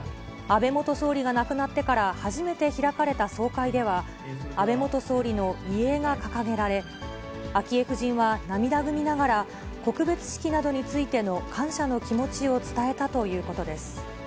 安倍元総理が亡くなってから初めて開かれた総会では、安倍元総理の遺影が掲げられ、昭恵夫人は涙ぐみながら、告別式などについての感謝の気持ちを伝